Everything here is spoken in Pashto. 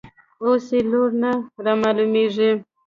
اوس یې لوری نه رامعلومېږي.